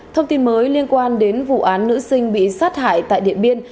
thông tin mới liên quan đến vụ án nữ sinh bị sát hại tại điện biên